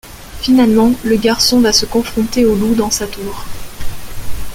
Finalement, le garçon va se confronter au loup dans sa tour.